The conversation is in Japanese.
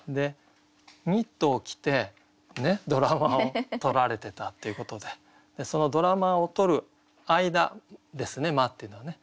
ニットを着てドラマを撮られてたっていうことでドラマを撮る間ですね「間」っていうのはね